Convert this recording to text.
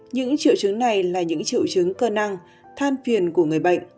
những triệu chứng này là những triệu chứng cơ năng than phiền của người bệnh